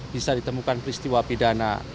bisa ditemukan peristiwa pidana